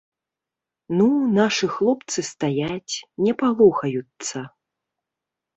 Ну, нашы хлопцы стаяць, не палохаюцца.